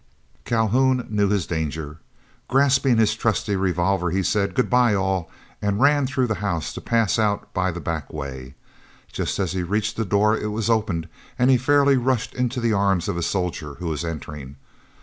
Calhoun knew his danger. Grasping his trusty revolver, he cried, "Good bye, all," and ran through the house to pass out by the back way. Just as he reached the door, it was opened, and he fairly rushed into the arms of a soldier who was entering.